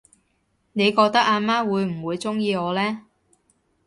你覺得阿媽會唔會鍾意我呢？